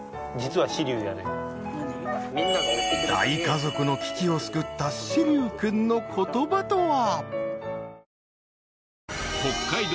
大家族の危機を救った獅琉君の言葉とは？